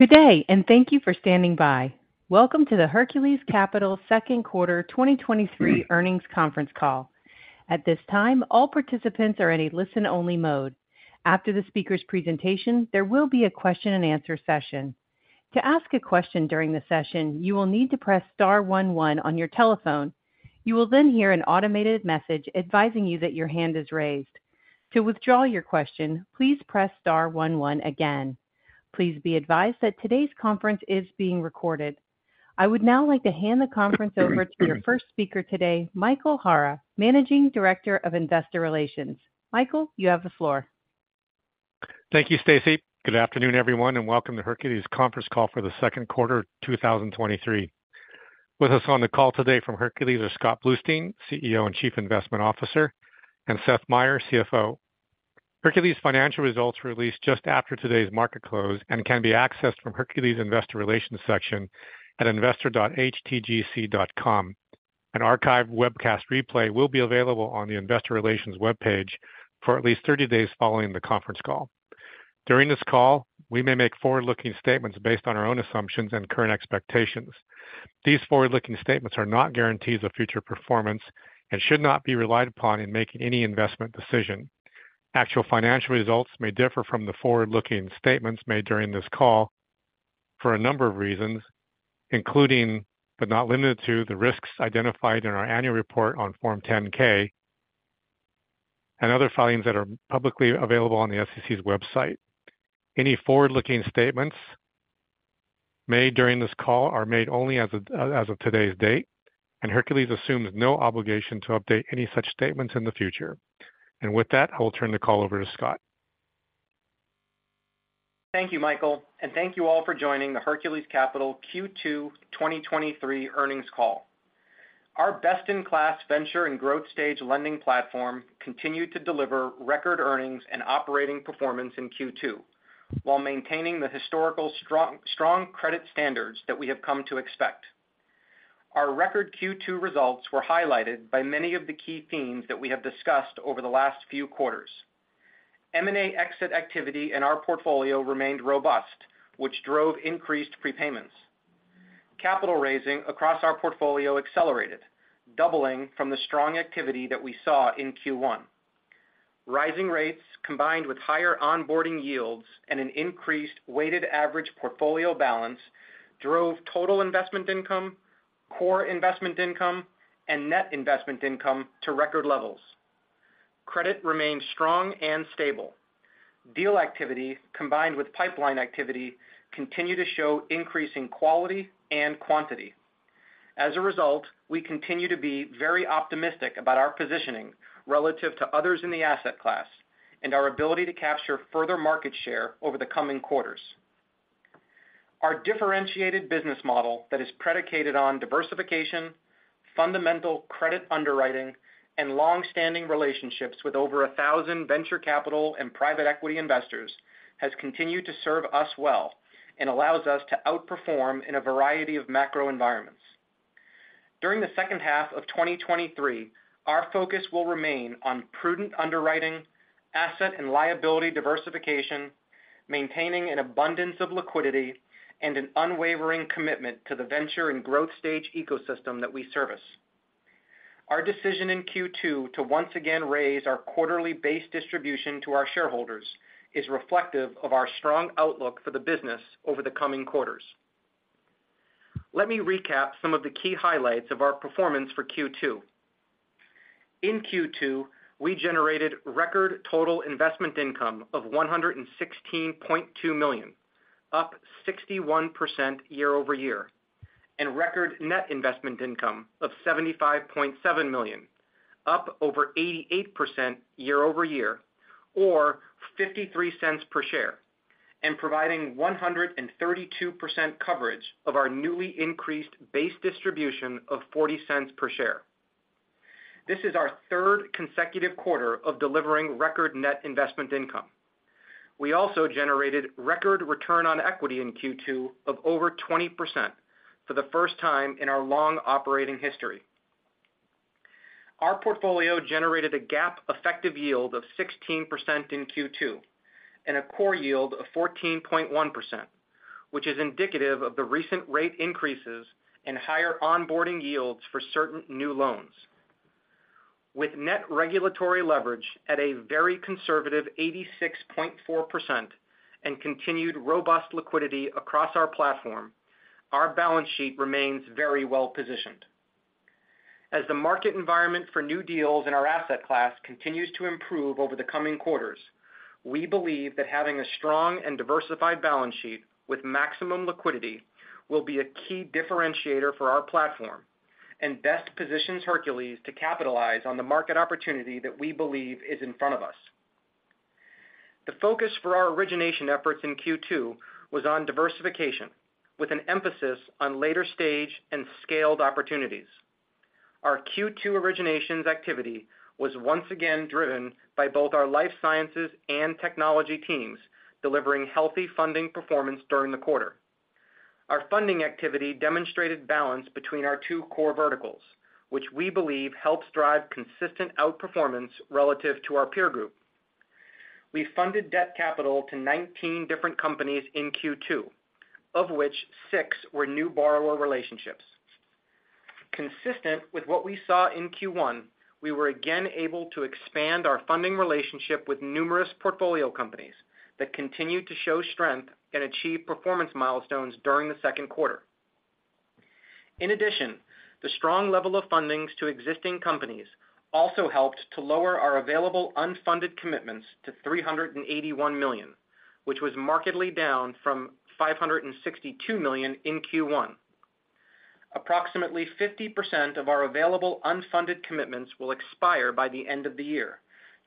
Good day, thank you for standing by. Welcome to the Hercules Capital second quarter 2023 earnings conference call. At this time, all participants are in a listen-only mode. After the speaker's presentation, there will be a question-and-answer session. To ask a question during the session, you will need to press star one one on your telephone. You will hear an automated message advising you that your hand is raised. To withdraw your question, please press star one one again. Please be advised that today's conference is being recorded. I would now like to hand the conference over to your first speaker today, Michael Hara, Managing Director of Investor Relations. Michael, you have the floor. Thank you, Stacy. Good afternoon, everyone, and welcome to Hercules conference call for the second quarter 2023. With us on the call today from Hercules are Scott Bluestein, CEO and Chief Investment Officer, and Seth Meyer, CFO. Hercules financial results were released just after today's market close and can be accessed from Hercules Investor Relations section at investor.htgc.com. An archive webcast replay will be available on the investor relations webpage for at least 30 days following the conference call. During this call, we may make forward-looking statements based on our own assumptions and current expectations. These forward-looking statements are not guarantees of future performance and should not be relied upon in making any investment decision. Actual financial results may differ from the forward-looking statements made during this call for a number of reasons, including, but not limited to, the risks identified in our annual report on Form 10-K and other filings that are publicly available on the SEC's website. Any forward-looking statements made during this call are made only as of today's date. Hercules assumes no obligation to update any such statements in the future. With that, I will turn the call over to Scott. Thank you, Michael, and thank you all for joining the Hercules Capital Q2 2023 earnings call. Our best-in-class venture and growth stage lending platform continued to deliver record earnings and operating performance in Q2, while maintaining the historical strong, strong credit standards that we have come to expect. Our record Q2 results were highlighted by many of the key themes that we have discussed over the last few quarters. M&A exit activity in our portfolio remained robust, which drove increased prepayments. Capital raising across our portfolio accelerated, doubling from the strong activity that we saw in Q1. Rising rates, combined with higher onboarding yields and an increased weighted average portfolio balance, drove total investment income, core investment income, and net investment income to record levels. Credit remains strong and stable. Deal activity, combined with pipeline activity, continue to show increasing quality and quantity. As a result, we continue to be very optimistic about our positioning relative to others in the asset class and our ability to capture further market share over the coming quarters. Our differentiated business model that is predicated on diversification, fundamental credit underwriting, and long-standing relationships with over 1,000 venture capital and private equity investors, has continued to serve us well and allows us to outperform in a variety of macro environments. During the second half of 2023, our focus will remain on prudent underwriting, asset and liability diversification, maintaining an abundance of liquidity, and an unwavering commitment to the venture and growth stage ecosystem that we service. Our decision in Q2 to once again raise our quarterly base distribution to our shareholders is reflective of our strong outlook for the business over the coming quarters. Let me recap some of the key highlights of our performance for Q2. In Q2, we generated record total investment income of $116.2 million, up 61% year-over-year, and record net investment income of $75.7 million, up over 88% year-over-year or $0.53 per share, and providing 132% coverage of our newly increased base distribution of $0.40 per share. This is our third consecutive quarter of delivering record net investment income. We also generated record return on equity in Q2 of over 20% for the first time in our long operating history. Our portfolio generated a GAAP effective yield of 16% in Q2 and a core yield of 14.1%, which is indicative of the recent rate increases and higher onboarding yields for certain new loans. With net regulatory leverage at a very conservative 86.4% and continued robust liquidity across our platform, our balance sheet remains very well positioned. As the market environment for new deals in our asset class continues to improve over the coming quarters, we believe that having a strong and diversified balance sheet with maximum liquidity will be a key differentiator for our platform and best positions Hercules to capitalize on the market opportunity that we believe is in front of us. The focus for our origination efforts in Q2 was on diversification, with an emphasis on later stage and scaled opportunities. Our Q2 originations activity was once again driven by both our life sciences and technology teams, delivering healthy funding performance during the quarter. Our funding activity demonstrated balance between our two core verticals, which we believe helps drive consistent outperformance relative to our peer group. We funded debt capital to 19 different companies in Q2, of which 6 were new borrower relationships. Consistent with what we saw in Q1, we were again able to expand our funding relationship with numerous portfolio companies that continued to show strength and achieve performance milestones during the second quarter. In addition, the strong level of fundings to existing companies also helped to lower our available unfunded commitments to $381 million, which was markedly down from $562 million in Q1. Approximately 50% of our available unfunded commitments will expire by the end of the year,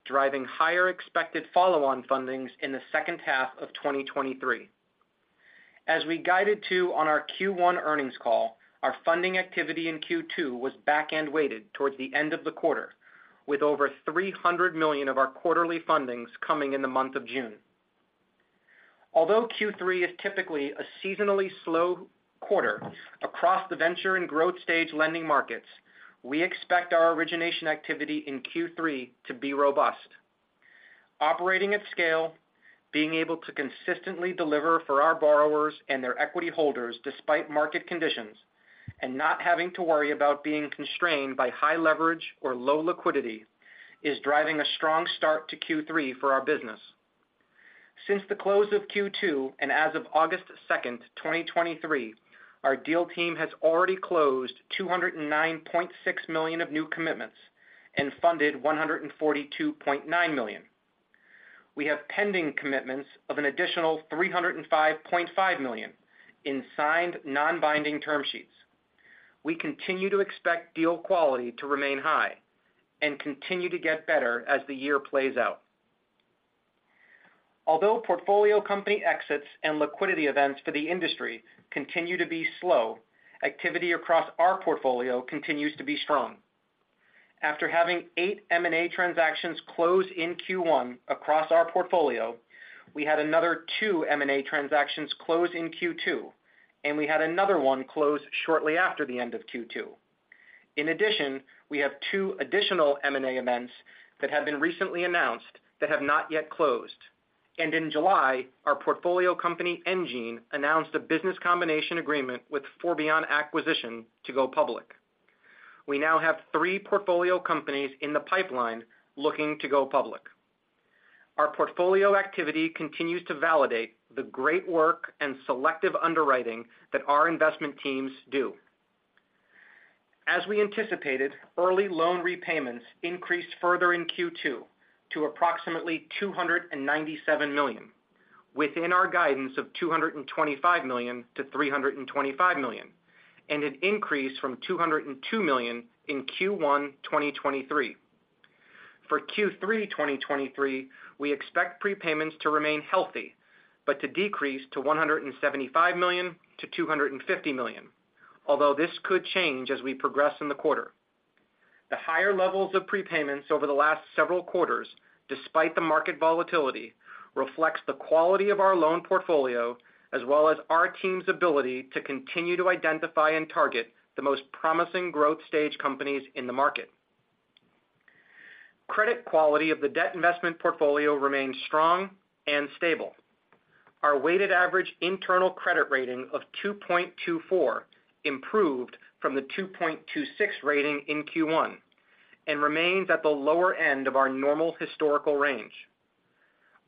driving higher expected follow-on fundings in the second half of 2023. As we guided to on our Q1 earnings call, our funding activity in Q2 was back-end weighted towards the end of the quarter, with over $300 million of our quarterly fundings coming in the month of June. Although Q3 is typically a seasonally slow quarter across the venture and growth stage lending markets, we expect our origination activity in Q3 to be robust. Operating at scale, being able to consistently deliver for our borrowers and their equity holders despite market conditions, and not having to worry about being constrained by high leverage or low liquidity, is driving a strong start to Q3 for our business. Since the close of Q2, and as of August 2, 2023, our deal team has already closed $209.6 million of new commitments and funded $142.9 million. We have pending commitments of an additional $305.5 million in signed, non-binding term sheets. We continue to expect deal quality to remain high and continue to get better as the year plays out. Although portfolio company exits and liquidity events for the industry continue to be slow, activity across our portfolio continues to be strong. After having 8 M&A transactions close in Q1 across our portfolio, we had another 2 M&A transactions close in Q2, and we had another 1 close shortly after the end of Q2. In addition, we have 2 additional M&A events that have been recently announced that have not yet closed, and in July, our portfolio company, enGene, announced a business combination agreement with Forbion Acquisition to go public. We now have 3 portfolio companies in the pipeline looking to go public. Our portfolio activity continues to validate the great work and selective underwriting that our investment teams do. As we anticipated, early loan repayments increased further in Q2 to approximately $297 million, within our guidance of $225 million-$325 million, and an increase from $202 million in Q1 2023. For Q3 2023, we expect prepayments to remain healthy, but to decrease to $175 million-$250 million, although this could change as we progress in the quarter. The higher levels of prepayments over the last several quarters, despite the market volatility, reflects the quality of our loan portfolio, as well as our team's ability to continue to identify and target the most promising growth stage companies in the market. Credit quality of the debt investment portfolio remains strong and stable. Our weighted average internal credit rating of 2.24 improved from the 2.26 rating in Q1 and remains at the lower end of our normal historical range.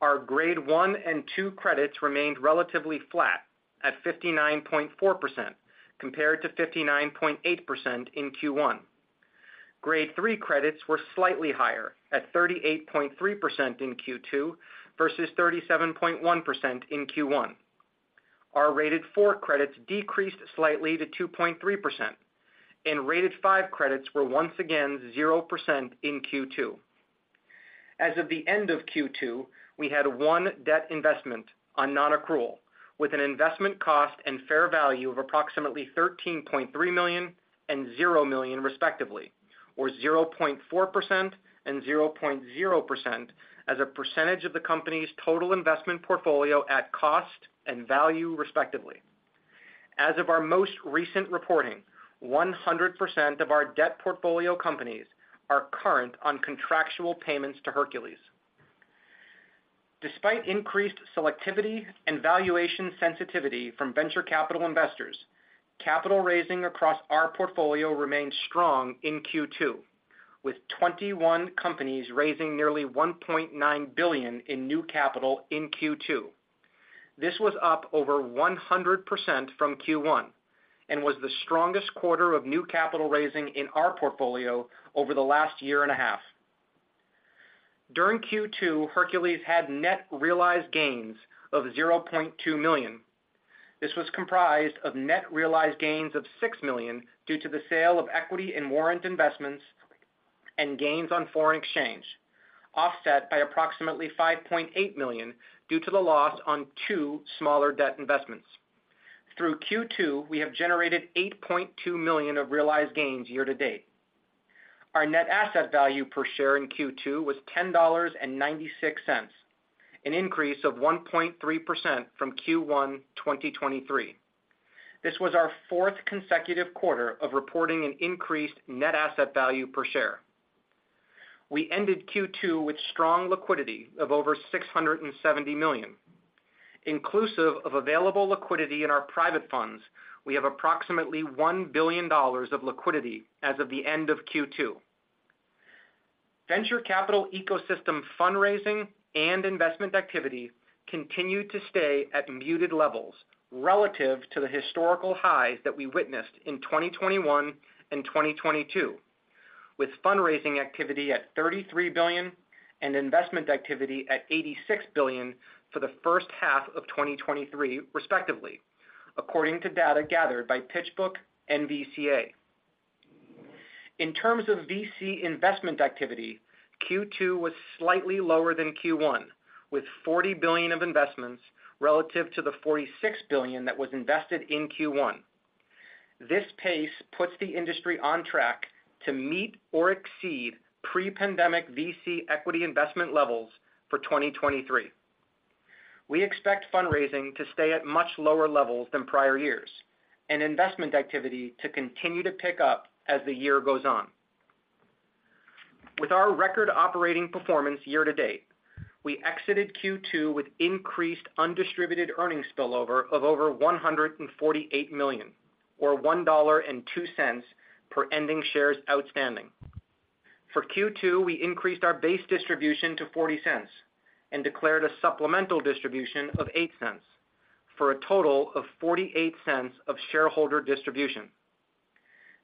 Our Grade 1 and 2 credits remained relatively flat at 59.4%, compared to 59.8% in Q1. Grade 3 credits were slightly higher at 38.3% in Q2 versus 37.1% in Q1. Our rated 4 credits decreased slightly to 2.3%, and rated 5 credits were once again 0% in Q2. As of the end of Q2, we had 1 debt investment on non-accrual, with an investment cost and fair value of approximately $13.3 million and $0 million, respectively, or 0.4% and 0.0% as a percentage of the company's total investment portfolio at cost and value, respectively. As of our most recent reporting, 100% of our debt portfolio companies are current on contractual payments to Hercules. Despite increased selectivity and valuation sensitivity from venture capital investors, capital raising across our portfolio remains strong in Q2, with 21 companies raising nearly $1.9 billion in new capital in Q2. This was up over 100% from Q1 and was the strongest quarter of new capital raising in our portfolio over the last 1.5 years. During Q2, Hercules had net realized gains of $0.2 million. This was comprised of net realized gains of $6 million due to the sale of equity and warrant investments and gains on foreign exchange, offset by approximately $5.8 million due to the loss on 2 smaller debt investments. Through Q2, we have generated $8.2 million of realized gains year to date. Our net asset value per share in Q2 was $10.96, an increase of 1.3% from Q1, 2023. This was our fourth consecutive quarter of reporting an increased net asset value per share. We ended Q2 with strong liquidity of over $670 million. Inclusive of available liquidity in our private funds, we have approximately $1 billion of liquidity as of the end of Q2. Venture capital ecosystem fundraising and investment activity continued to stay at muted levels relative to the historical highs that we witnessed in 2021 and 2022, with fundraising activity at $33 billion and investment activity at $86 billion for the first half of 2023, respectively, according to data gathered by PitchBook and NVCA. In terms of VC investment activity, Q2 was slightly lower than Q1, with $40 billion of investments relative to the $46 billion that was invested in Q1. This pace puts the industry on track to meet or exceed pre-pandemic VC equity investment levels for 2023. We expect fundraising to stay at much lower levels than prior years and investment activity to continue to pick up as the year goes on. With our record operating performance year to date, we exited Q2 with increased undistributed earnings spillover of over $148 million, or $1.02 per ending shares outstanding. For Q2, we increased our base distribution to $0.40 and declared a supplemental distribution of $0.08, for a total of $0.48 of shareholder distribution.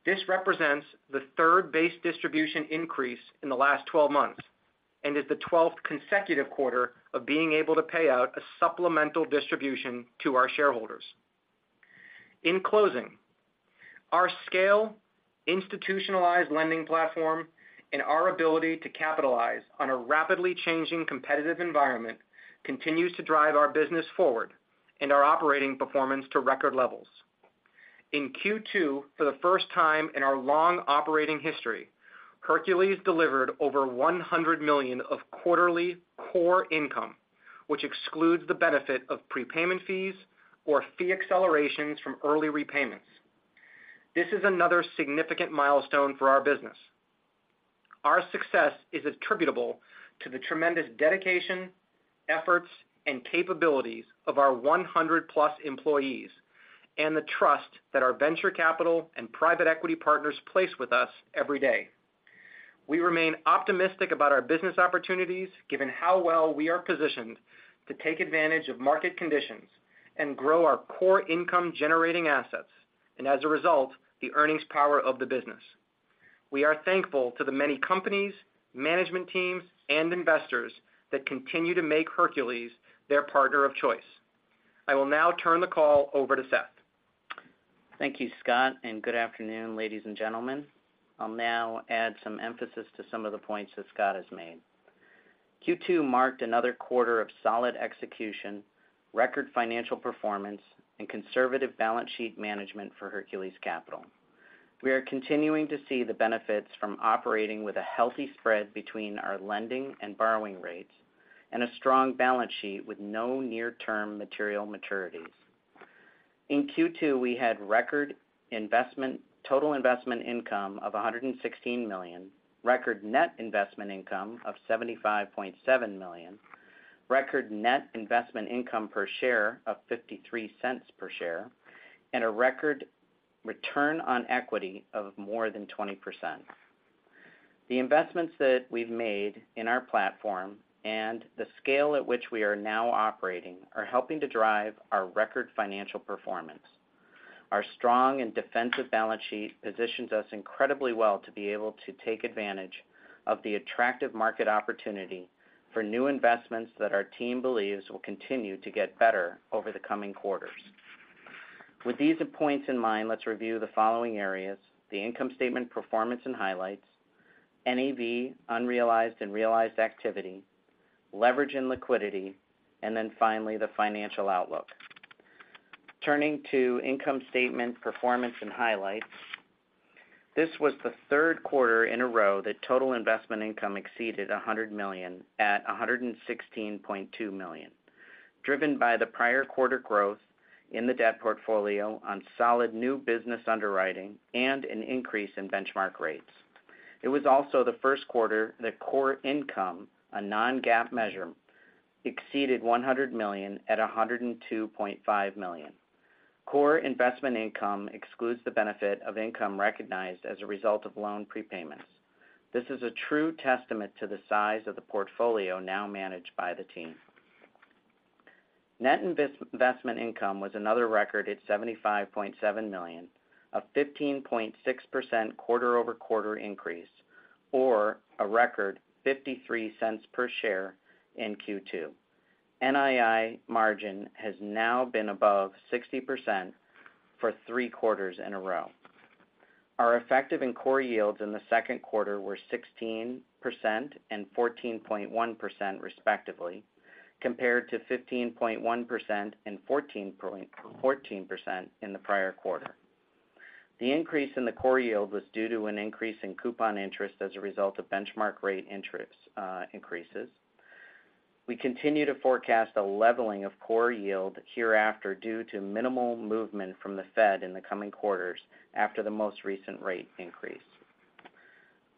This represents the third base distribution increase in the last 12 months and is the twelfth consecutive quarter of being able to pay out a supplemental distribution to our shareholders. In closing, our scale, institutionalized lending platform, and our ability to capitalize on a rapidly changing competitive environment continues to drive our business forward and our operating performance to record levels. In Q2, for the first time in our long operating history, Hercules delivered over $100 million of quarterly core income, which excludes the benefit of prepayment fees or fee accelerations from early repayments. This is another significant milestone for our business. Our success is attributable to the tremendous dedication, efforts, and capabilities of our 100+ employees and the trust that our venture capital and private equity partners place with us every day. We remain optimistic about our business opportunities, given how well we are positioned to take advantage of market conditions and grow our core income-generating assets, and as a result, the earnings power of the business. We are thankful to the many companies, management teams, and investors that continue to make Hercules their partner of choice. I will now turn the call over to Seth. Thank you, Scott. Good afternoon, ladies and gentlemen. I'll now add some emphasis to some of the points that Scott has made. Q2 marked another quarter of solid execution, record financial performance, and conservative balance sheet management for Hercules Capital. We are continuing to see the benefits from operating with a healthy spread between our lending and borrowing rates and a strong balance sheet with no near-term material maturities. In Q2, we had record total investment income of $116 million, record net investment income of $75.7 million, record net investment income per share of $0.53 per share, and a record return on equity of more than 20%. The investments that we've made in our platform and the scale at which we are now operating are helping to drive our record financial performance. Our strong and defensive balance sheet positions us incredibly well to be able to take advantage of the attractive market opportunity for new investments that our team believes will continue to get better over the coming quarters. With these points in mind, let's review the following areas: the income statement, performance and highlights, NAV, unrealized and realized activity, leverage and liquidity, and then finally, the financial outlook. Turning to income statement, performance and highlights. This was the third quarter in a row that total investment income exceeded $100 million, at $116.2 million, driven by the prior quarter growth in the debt portfolio on solid new business underwriting and an increase in benchmark rates. It was also the first quarter that core income, a non-GAAP measure, exceeded $100 million at $102.5 million. Core investment income excludes the benefit of income recognized as a result of loan prepayments. This is a true testament to the size of the portfolio now managed by the team. Net investment income was another record at $75.7 million, a 15.6% quarter-over-quarter increase, or a record $0.53 per share in Q two. NII margin has now been above 60% for three quarters in a row. Our effective and core yields in the second quarter were 16% and 14.1%, respectively.... compared to 15.1% and 14% in the prior quarter. The increase in the core yield was due to an increase in coupon interest as a result of benchmark rate interest increases. We continue to forecast a leveling of core yield hereafter due to minimal movement from the Fed in the coming quarters after the most recent rate increase.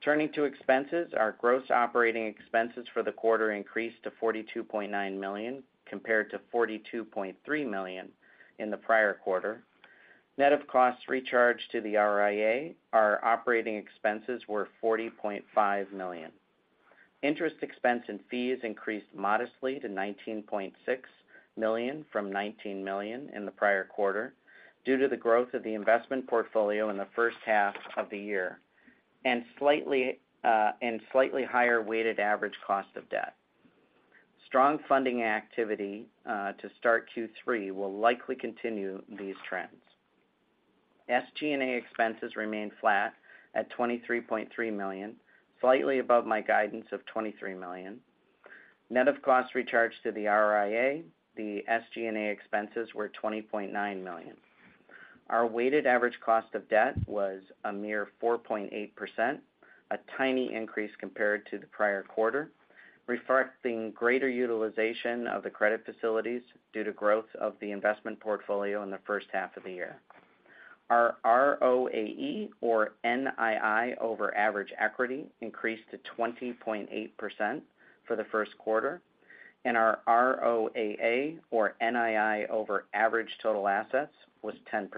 Turning to expenses, our gross operating expenses for the quarter increased to $42.9 million, compared to $42.3 million in the prior quarter. Net of costs recharged to the RIA, our operating expenses were $40.5 million. Interest expense and fees increased modestly to $19.6 million, from $19 million in the prior quarter, due to the growth of the investment portfolio in the first half of the year, and slightly, and slightly higher weighted average cost of debt. Strong funding activity to start Q3 will likely continue these trends. SG&A expenses remained flat at $23.3 million, slightly above my guidance of $23 million. Net of costs recharged to the RIA, the SG&A expenses were $20.9 million. Our weighted average cost of debt was a mere 4.8%, a tiny increase compared to the prior quarter, reflecting greater utilization of the credit facilities due to growth of the investment portfolio in the first half of the year. Our ROAE, or NII, over average equity increased to 20.8% for the first quarter, and our ROAA, or NII over average total assets, was 10%.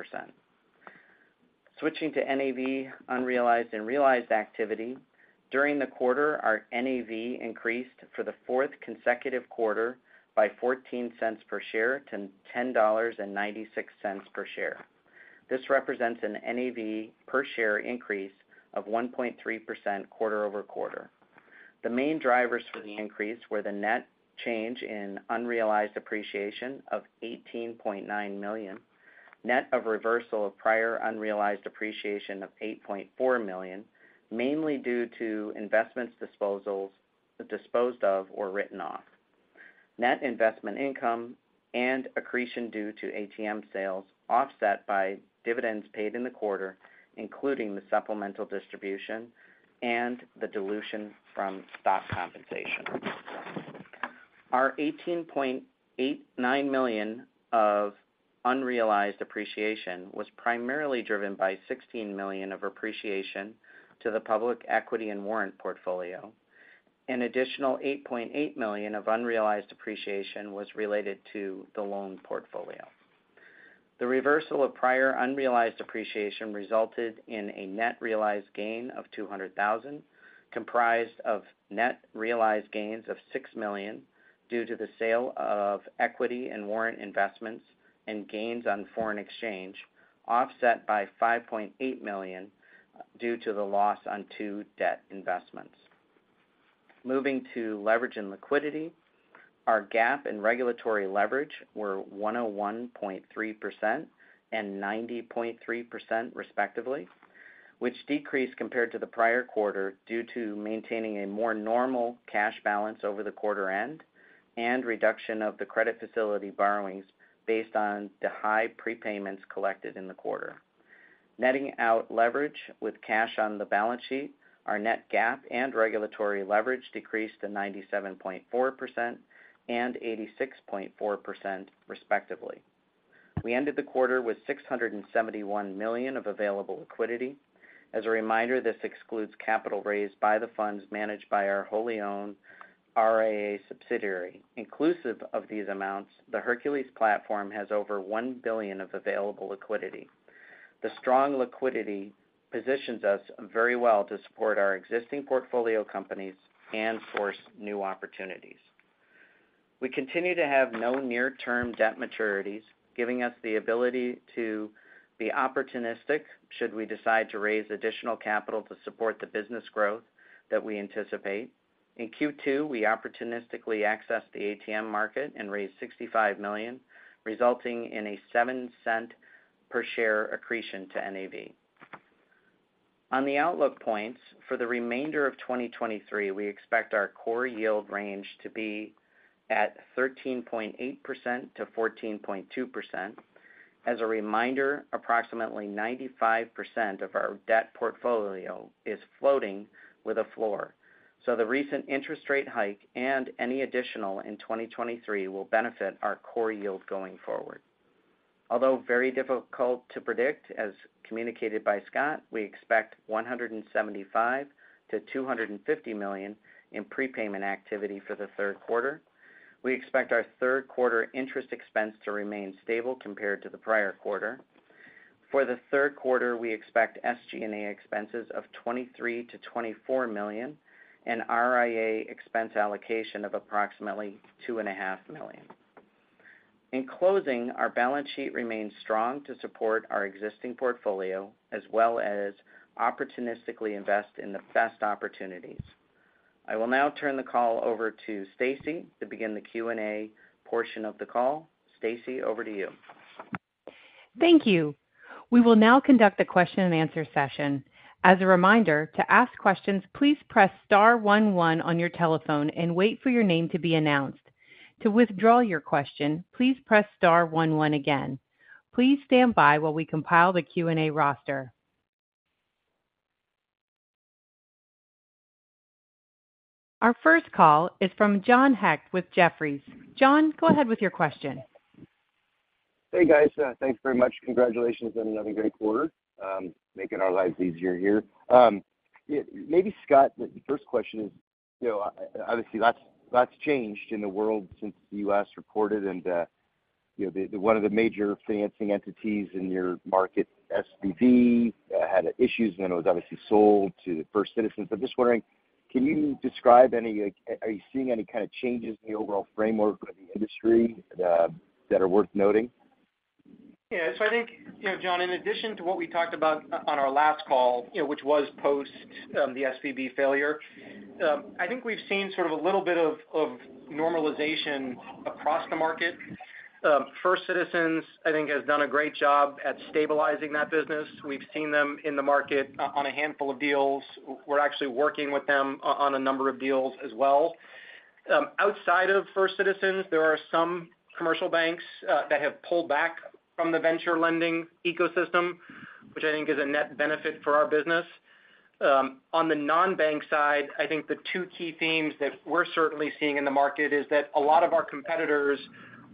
Switching to NAV unrealized and realized activity. During the quarter, our NAV increased for the fourth consecutive quarter by $0.14 per share to $10.96 per share. This represents an NAV per share increase of 1.3% quarter-over-quarter. The main drivers for the increase were the net change in unrealized appreciation of $18.9 million, net of reversal of prior unrealized appreciation of $8.4 million, mainly due to investments disposals, disposed of or written off. Net investment income and accretion due to ATM sales, offset by dividends paid in the quarter, including the supplemental distribution and the dilution from stock compensation. Our $18.9 million of unrealized appreciation was primarily driven by $16 million of appreciation to the public equity and warrant portfolio. An additional $8.8 million of unrealized appreciation was related to the loan portfolio. The reversal of prior unrealized appreciation resulted in a net realized gain of $200,000, comprised of net realized gains of $6 million due to the sale of equity and warrant investments and gains on foreign exchange, offset by $5.8 million due to the loss on 2 debt investments. Moving to leverage and liquidity. Our GAAP and regulatory leverage were 101.3% and 90.3% respectively, which decreased compared to the prior quarter due to maintaining a more normal cash balance over the quarter end and reduction of the credit facility borrowings based on the high prepayments collected in the quarter. Netting out leverage with cash on the balance sheet, our net GAAP and regulatory leverage decreased to 97.4% and 86.4% respectively. We ended the quarter with $671 million of available liquidity. As a reminder, this excludes capital raised by the funds managed by our wholly owned RIA subsidiary. Inclusive of these amounts, the Hercules platform has over $1 billion of available liquidity. The strong liquidity positions us very well to support our existing portfolio companies and source new opportunities. We continue to have no near-term debt maturities, giving us the ability to be opportunistic should we decide to raise additional capital to support the business growth that we anticipate. In Q2, we opportunistically accessed the ATM market and raised $65 million, resulting in a $0.07 per share accretion to NAV. On the outlook points, for the remainder of 2023, we expect our core yield range to be at 13.8%-14.2%. As a reminder, approximately 95% of our debt portfolio is floating with a floor, so the recent interest rate hike and any additional in 2023 will benefit our core yield going forward. Although very difficult to predict, as communicated by Scott, we expect $175 million-$250 million in prepayment activity for the third quarter. We expect our third quarter interest expense to remain stable compared to the prior quarter. For the third quarter, we expect SG&A expenses of $23 million-$24 million and RIA expense allocation of approximately $2.5 million. In closing, our balance sheet remains strong to support our existing portfolio, as well as opportunistically invest in the best opportunities. I will now turn the call over to Stacy to begin the Q&A portion of the call. Stacy, over to you. Thank you. We will now conduct a question-and-answer session. As a reminder, to ask questions, please press star 1, 1 on your telephone and wait for your name to be announced. To withdraw your question, please press star 1, 1 again. Please stand by while we compile the Q&A roster. Our first call is from John Hecht with Jefferies. John, go ahead with your question. Hey, guys. Thanks very much. Congratulations on another great quarter, making our lives easier here. Yeah, maybe, Scott, the first question is, you know, obviously, lot's, lot's changed in the world since you last reported, and, you know, one of the major financing entities in your market, SVB, had issues, and it was obviously sold to First Citizens. I'm just wondering: Can you describe any, like-- Are you seeing any kind of changes in the overall framework for the industry that are worth noting? Yeah. I think, you know, John, in addition to what we talked about on our last call, you know, which was post the SVB failure, I think we've seen sort of a little bit of normalization across the market. First Citizens, I think, has done a great job at stabilizing that business. We've seen them in the market on a handful of deals. We're actually working with them on a number of deals as well. Outside of First Citizens, there are some commercial banks that have pulled back from the venture lending ecosystem, which I think is a net benefit for our business. On the non-bank side, I think the two key themes that we're certainly seeing in the market is that a lot of our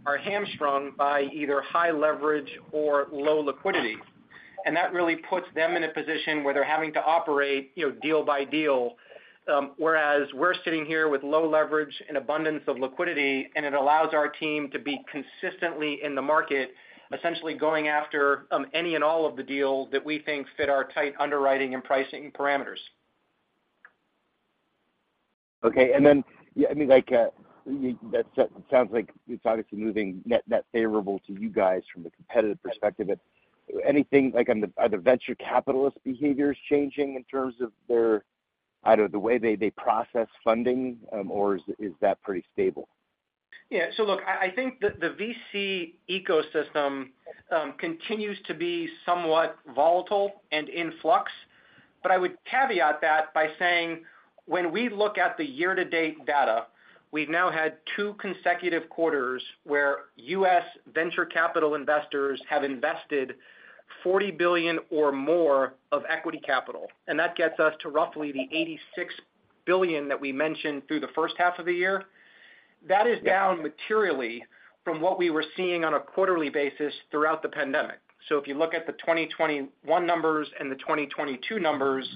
competitors are hamstrung by either high leverage or low liquidity, and that really puts them in a position where they're having to operate, you know, deal by deal. Whereas we're sitting here with low leverage and abundance of liquidity, and it allows our team to be consistently in the market, essentially going after, any and all of the deals that we think fit our tight underwriting and pricing parameters. Okay. Then, yeah, I mean, like, that sounds like it's obviously moving net, net favorable to you guys from the competitive perspective. Anything, like, on the... Are the venture capitalist behaviors changing in terms of their, either the way they process funding, or is that pretty stable? Yeah. Look, I, I think the, the VC ecosystem continues to be somewhat volatile and in flux, but I would caveat that by saying when we look at the year-to-date data, we've now had two consecutive quarters where U.S. venture capital investors have invested $40 billion or more of equity capital, and that gets us to roughly the $86 billion that we mentioned through the first half of the year. That is down materially from what we were seeing on a quarterly basis throughout the pandemic. If you look at the 2021 numbers and the 2022 numbers,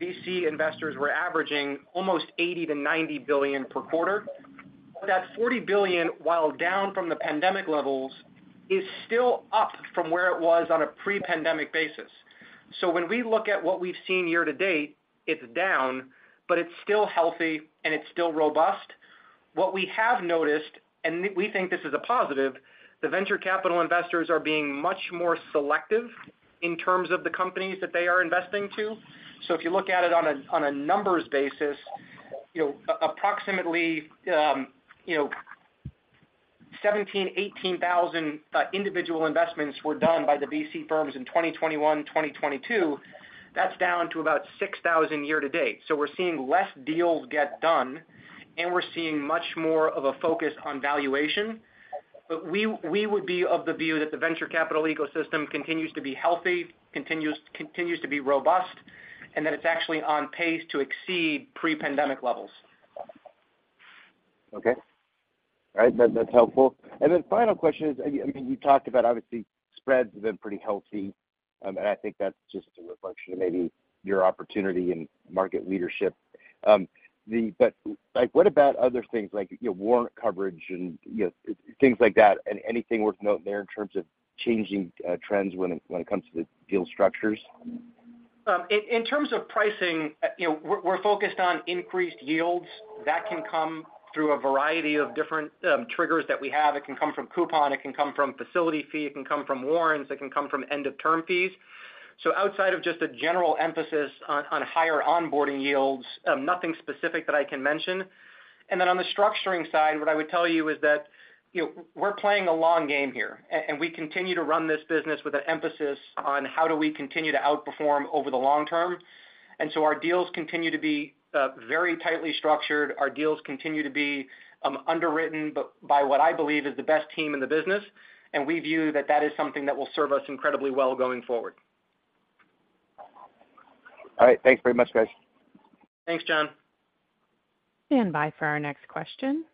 VC investors were averaging almost $80 billion-$90 billion per quarter. That $40 billion, while down from the pandemic levels, is still up from where it was on a pre-pandemic basis. When we look at what we've seen year to date, it's down, but it's still healthy, and it's still robust. What we have noticed, and we think this is a positive, the venture capital investors are being much more selective in terms of the companies that they are investing to. If you look at it on a, on a numbers basis, you know, approximately, you know, 17,000-18,000 individual investments were done by the VC firms in 2021, 2022. That's down to about 6,000 year to date. We're seeing less deals get done, and we're seeing much more of a focus on valuation. We, we would be of the view that the venture capital ecosystem continues to be healthy, continues, continues to be robust, and that it's actually on pace to exceed pre-pandemic levels. Okay. All right, that, that's helpful. Final question is, I, I mean, you talked about obviously spreads have been pretty healthy, and I think that's just a reflection of maybe your opportunity and market leadership. But, like, what about other things like, you know, warrant coverage and, you know, things like that? Anything worth noting there in terms of changing trends when it, when it comes to the deal structures? In terms of pricing, you know, we're, we're focused on increased yields. That can come through a variety of different triggers that we have. It can come from coupon, it can come from facility fee, it can come from warrants, it can come from end-of-term fees. Outside of just a general emphasis on, on higher onboarding yields, nothing specific that I can mention. On the structuring side, what I would tell you is that, you know, we're playing a long game here, and we continue to run this business with an emphasis on how do we continue to outperform over the long term. Our deals continue to be very tightly structured. Our deals continue to be, underwritten by what I believe is the best team in the business, and we view that that is something that will serve us incredibly well going forward. All right. Thanks very much, guys. Thanks, John. Stand by for our next question.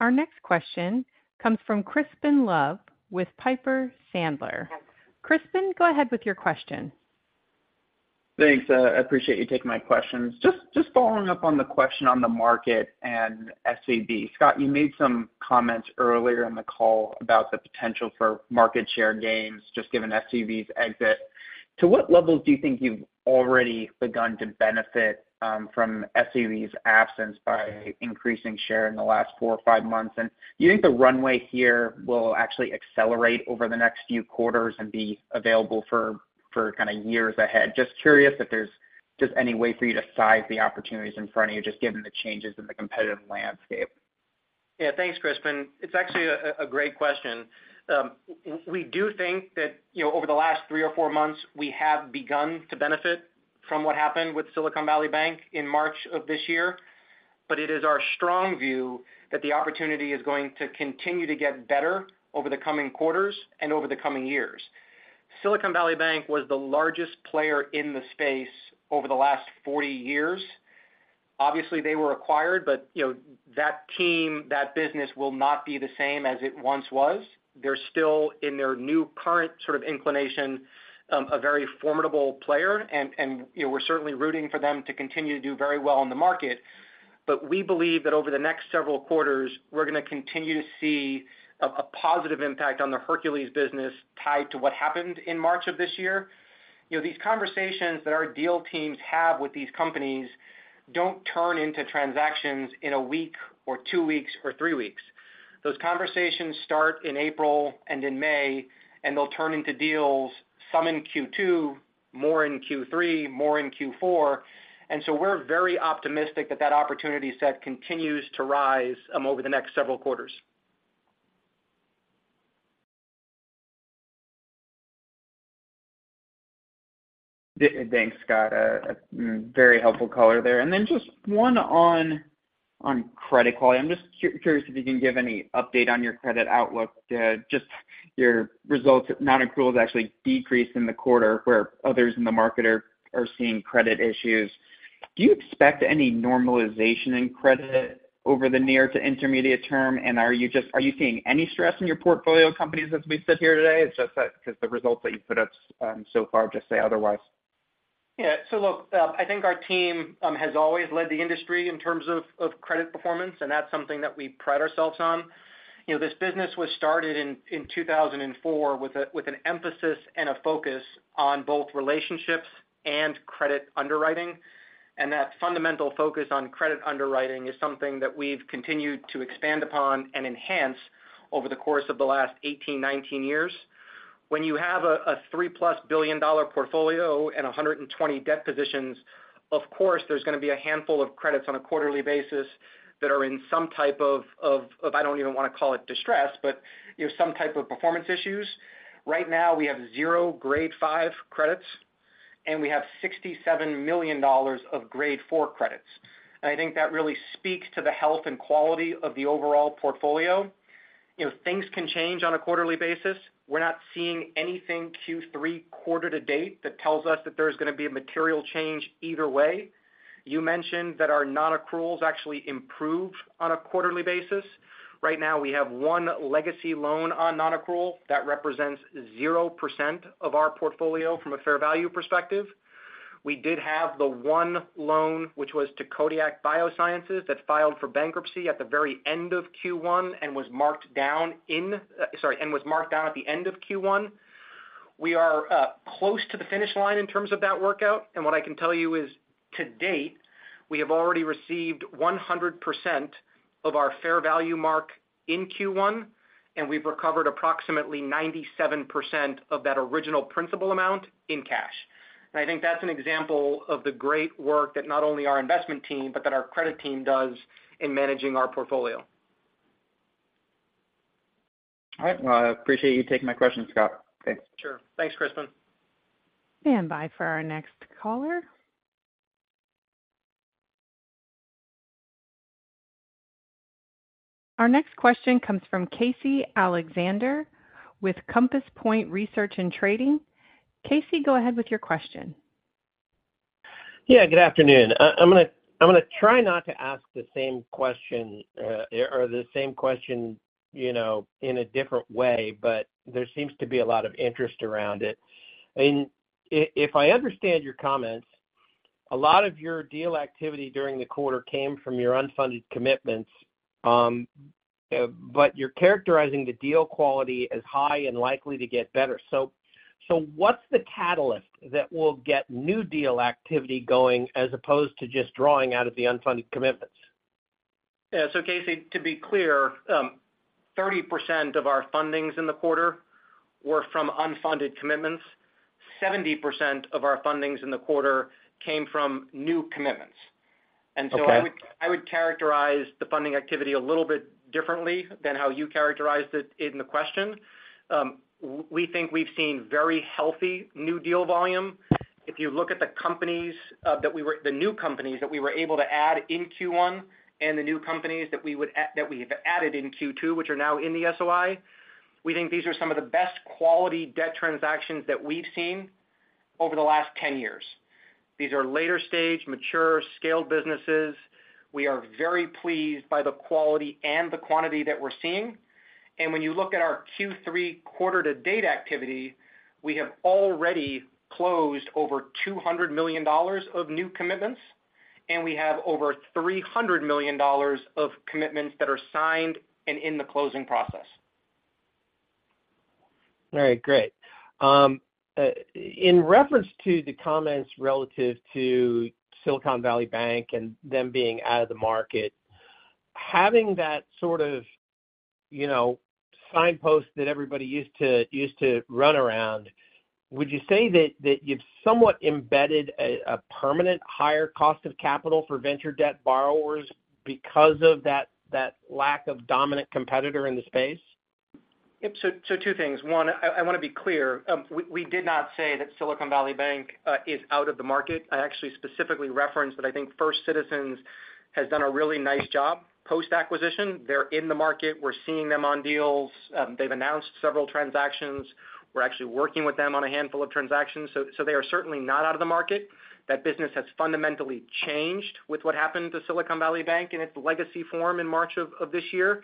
Our next question comes from Crispin Love with Piper Sandler. Crispin, go ahead with your question. Thanks. I appreciate you taking my questions. Just following up on the question on the market and SVB. Scott, you made some comments earlier in the call about the potential for market share gains, just given SVB's exit. To what level do you think you've already begun to benefit from SVB's absence by increasing share in the last 4 or 5 months? Do you think the runway here will actually accelerate over the next few quarters and be available for kind of years ahead? Just curious if there's just any way for you to size the opportunities in front of you, just given the changes in the competitive landscape? Yeah, thanks, Crispin. It's actually a, a great question. We do think that, you know, over the last three or four months, we have begun to benefit from what happened with Silicon Valley Bank in March of this year. It is our strong view that the opportunity is going to continue to get better over the coming quarters and over the coming years. Silicon Valley Bank was the largest player in the space over the last 40 years. Obviously, they were acquired, but, you know, that team, that business will not be the same as it once was. They're still in their new current sort of inclination, a very formidable player, and, you know, we're certainly rooting for them to continue to do very well in the market. We believe that over the next several quarters, we're going to continue to see a positive impact on the Hercules business tied to what happened in March of this year. You know, these conversations that our deal teams have with these companies don't turn into transactions in one week or two weeks or three weeks. Those conversations start in April and in May, and they'll turn into deals, some in Q2, more in Q3, more in Q4. We're very optimistic that that opportunity set continues to rise over the next several quarters. Thanks, Scott. Very helpful color there. Just one on, on credit quality. I'm just curious if you can give any update on your credit outlook. Just your results, nonaccruals actually decreased in the quarter, where others in the market are seeing credit issues. Do you expect any normalization in credit over the near to intermediate term? Are you just are you seeing any stress in your portfolio companies as we sit here today? It's just that because the results that you put up so far just say otherwise. Yeah. Look, I think our team has always led the industry in terms of credit performance, and that's something that we pride ourselves on. You know, this business was started in 2004 with an emphasis and a focus on both relationships and credit underwriting, and that fundamental focus on credit underwriting is something that we've continued to expand upon and enhance over the course of the last 18, 19 years. When you have a $3+ billion portfolio and 120 debt positions, of course, there's going to be a handful of credits on a quarterly basis that are in some type of, I don't even want to call it distress, but, you know, some type of performance issues. Right now, we have zero Grade 5 credits, and we have $67 million of Grade 4 credits. I think that really speaks to the health and quality of the overall portfolio. You know, things can change on a quarterly basis. We're not seeing anything Q3 quarter to date that tells us that there's going to be a material change either way. You mentioned that our nonaccruals actually improve on a quarterly basis. Right now, we have one legacy loan on nonaccrual that represents 0% of our portfolio from a fair value perspective. We did have the one loan, which was to Codiak BioSciences, that filed for bankruptcy at the very end of Q1 and was marked down in... Sorry, and was marked down at the end of Q1. We are close to the finish line in terms of that workout. What I can tell you is, to date, we have already received 100% of our fair value mark in Q1, and we've recovered approximately 97% of that original principal amount in cash. I think that's an example of the great work that not only our investment team, but that our credit team does in managing our portfolio. All right. Well, I appreciate you taking my question, Scott. Thanks. Sure. Thanks, Crispin. Standby for our next caller. Our next question comes from Casey Alexander with Compass Point Research & Trading. Casey, go ahead with your question. Yeah, good afternoon. I'm gonna try not to ask the same question, or the same question, you know, in a different way, but there seems to be a lot of interest around it. If I understand your comments, a lot of your deal activity during the quarter came from your unfunded commitments, but you're characterizing the deal quality as high and likely to get better. What's the catalyst that will get new deal activity going, as opposed to just drawing out of the unfunded commitments? Yeah. Casey, to be clear, 30% of our fundings in the quarter were from unfunded commitments. 70% of our fundings in the quarter came from new commitments. Okay. So I would, I would characterize the funding activity a little bit differently than how you characterized it in the question. We think we've seen very healthy new deal volume. If you look at the companies, the new companies that we were able to add in Q1 and the new companies that we've added in Q2, which are now in the SOI, we think these are some of the best quality debt transactions that we've seen over the last 10 years. These are later-stage, mature, scaled businesses. We are very pleased by the quality and the quantity that we're seeing. When you look at our Q3 quarter to date activity, we have already closed over $200 million of new commitments, and we have over $300 million of commitments that are signed and in the closing process. All right, great. In reference to the comments relative to Silicon Valley Bank and them being out of the market, having that sort of... you know, signposts that everybody used to, used to run around. Would you say that, that you've somewhat embedded a, a permanent higher cost of capital for venture debt borrowers because of that, that lack of dominant competitor in the space? Yep. Two things. One, I, I wanna be clear. We did not say that Silicon Valley Bank is out of the market. I actually specifically referenced that I think First Citizens has done a really nice job post-acquisition. They're in the market. We're seeing them on deals. They've announced several transactions. We're actually working with them on a handful of transactions. They are certainly not out of the market. That business has fundamentally changed with what happened to Silicon Valley Bank in its legacy form in March of this year.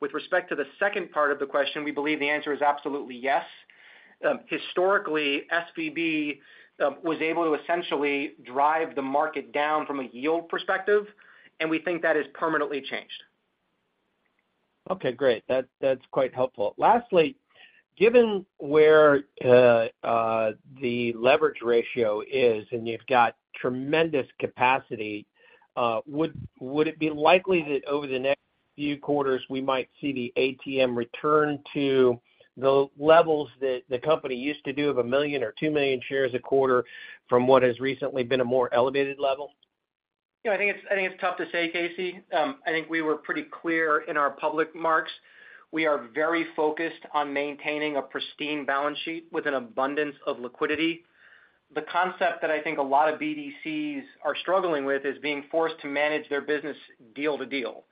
With respect to the second part of the question, we believe the answer is absolutely yes. Historically, SVB was able to essentially drive the market down from a yield perspective, and we think that has permanently changed. Okay, great. That's, that's quite helpful. Lastly, given where the leverage ratio is, and you've got tremendous capacity, would, would it be likely that over the next few quarters, we might see the ATM return to the levels that the company used to do of 1 million or 2 million shares a quarter from what has recently been a more elevated level? Yeah, I think it's, I think it's tough to say, Casey. I think we were pretty clear in our public marks. We are very focused on maintaining a pristine balance sheet with an abundance of liquidity. The concept that I think a lot of BDCs are struggling with is being forced to manage their business deal to deal.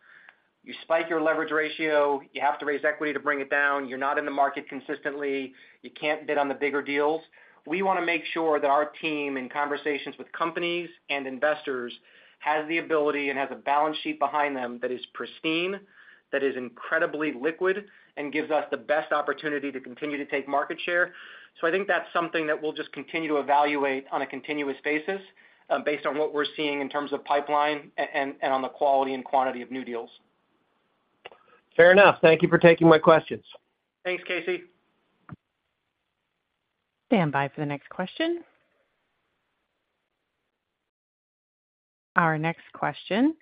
You spike your leverage ratio, you have to raise equity to bring it down, you're not in the market consistently, you can't bid on the bigger deals. We wanna make sure that our team, in conversations with companies and investors, has the ability and has a balance sheet behind them that is pristine, that is incredibly liquid, and gives us the best opportunity to continue to take market share. I think that's something that we'll just continue to evaluate on a continuous basis, based on what we're seeing in terms of pipeline and, and on the quality and quantity of new deals. Fair enough. Thank you for taking my questions. Thanks, Casey. Stand by for the next question. Our next question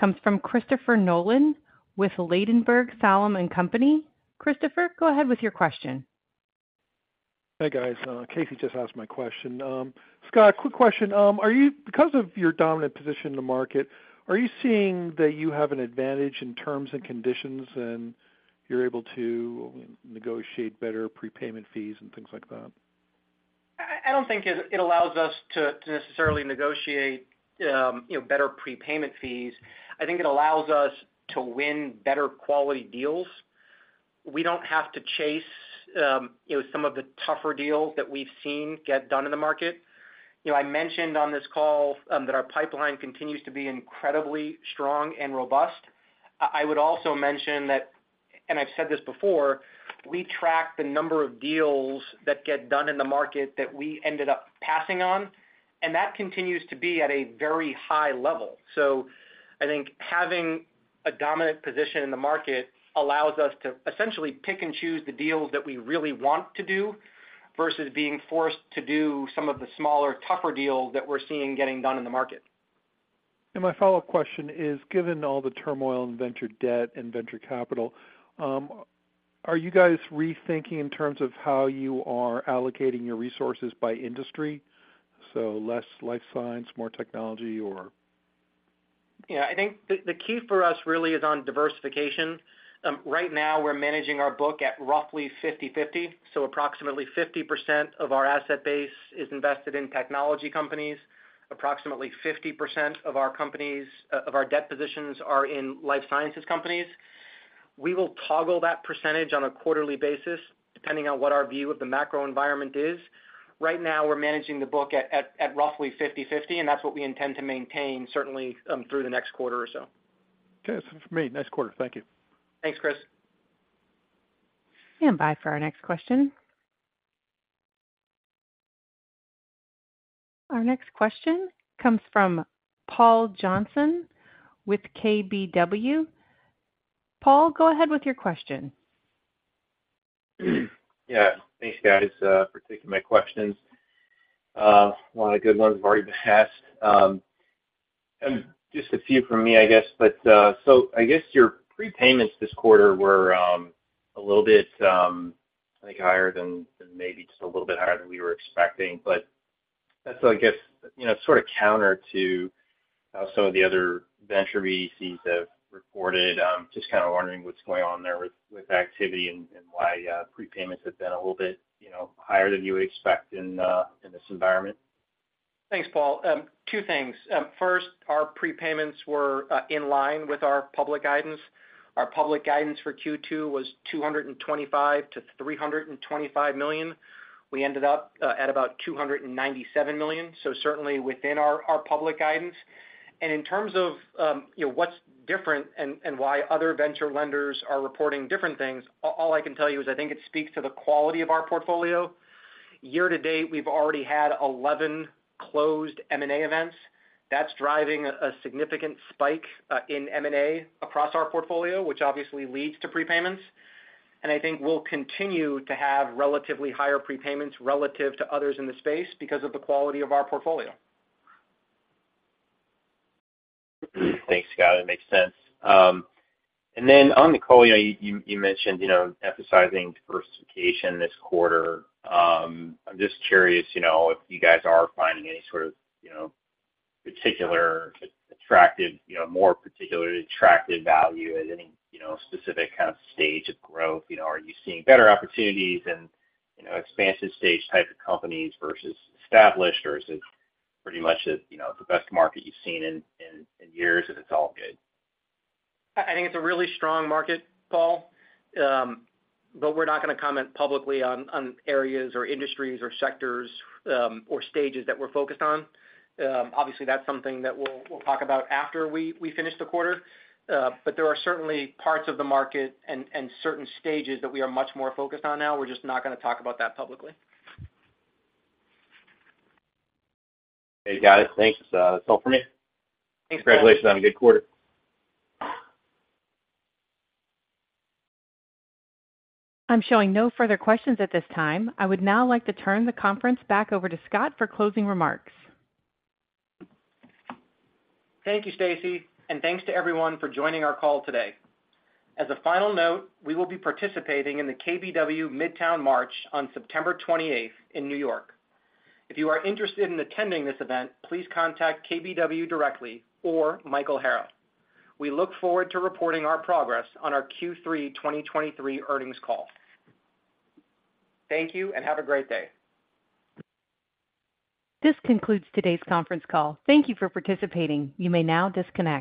comes from Christopher Nolan with Ladenburg Thalmann & Co.. Christopher, go ahead with your question. Hey, guys, Casey just asked my question. Scott, quick question: Because of your dominant position in the market, are you seeing that you have an advantage in terms and conditions, and you're able to negotiate better prepayment fees and things like that? I, I don't think it, it allows us to, to necessarily negotiate, you know, better prepayment fees. I think it allows us to win better quality deals. We don't have to chase, you know, some of the tougher deals that we've seen get done in the market. You know, I mentioned on this call that our pipeline continues to be incredibly strong and robust. I would also mention that, and I've said this before, we track the number of deals that get done in the market that we ended up passing on, and that continues to be at a very high level. I think having a dominant position in the market allows us to essentially pick and choose the deals that we really want to do versus being forced to do some of the smaller, tougher deals that we're seeing getting done in the market. My follow-up question is, given all the turmoil in venture debt and venture capital, are you guys rethinking in terms of how you are allocating your resources by industry? So less life science, more technology, or? Yeah, I think the, the key for us really is on diversification. Right now, we're managing our book at roughly 50/50, so approximately 50% of our asset base is invested in technology companies. Approximately 50% of our companies, of our debt positions are in life sciences companies. We will toggle that percentage on a quarterly basis, depending on what our view of the macro environment is. Right now, we're managing the book at, at, at roughly 50/50, and that's what we intend to maintain, certainly, through the next quarter or so. Okay. That's it for me. Nice quarter. Thank you. Thanks, Chris. Stand by for our next question. Our next question comes from Paul Johnson with KBW. Paul, go ahead with your question. Yeah. Thanks, guys, for taking my questions. A lot of good ones have already been asked. Just a few from me, I guess. I guess your prepayments this quarter were a little bit, I think higher than, than maybe just a little bit higher than we were expecting. That's, I guess, you know, sort of counter to how some of the other venture BDCs have reported. Just kind of wondering what's going on there with, with activity and, and why prepayments have been a little bit, you know, higher than you expect in this environment. Thanks, Paul. Two things. First, our prepayments were in line with our public guidance. Our public guidance for Q2 was $225 million-$325 million. We ended up at about $297 million, so certainly within our public guidance. In terms of, you know, what's different and why other venture lenders are reporting different things, all I can tell you is I think it speaks to the quality of our portfolio. Year to date, we've already had 11 closed M&A events. That's driving a significant spike in M&A across our portfolio, which obviously leads to prepayments. I think we'll continue to have relatively higher prepayments relative to others in the space because of the quality of our portfolio. Thanks, Scott. That makes sense. Then on the call, you know, you, you mentioned, you know, emphasizing diversification this quarter. I'm just curious, you know, if you guys are finding any sort of, you know, particular attractive, you know, more particularly attractive value at any, you know, specific kind of stage of growth. You know, are you seeing better opportunities and, you know, expansive stage type of companies versus established, or is it pretty much the, you know, the best market you've seen in, in, in years, and it's all good? I, I think it's a really strong market, Paul. We're not gonna comment publicly on, on areas or industries or sectors or stages that we're focused on. Obviously, that's something that we'll, we'll talk about after we, we finish the quarter. There are certainly parts of the market and, and certain stages that we are much more focused on now. We're just not gonna talk about that publicly. Okay, got it. Thanks. That's all for me. Thanks, Paul. Congratulations on a good quarter. I'm showing no further questions at this time. I would now like to turn the conference back over to Scott for closing remarks. Thank you, Stacy, and thanks to everyone for joining our call today. As a final note, we will be participating in the KBW Midtown March on September 28th in New York. If you are interested in attending this event, please contact KBW directly or Michael Hara. We look forward to reporting our progress on our Q3 2023 earnings call. Thank you, and have a great day. This concludes today's conference call. Thank you for participating. You may now disconnect.